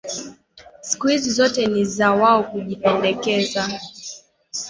Siku hizi zote ni za wao kujipendeza